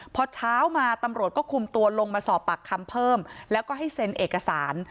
พอเช้ามาตำรวจก็คุมตัวลงมาสอบปากคำเพิ่มแล้วก็ให้เซ็นเอกสาร